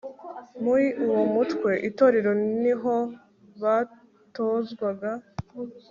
muri uwo mutwe itorero ni ho batozwaga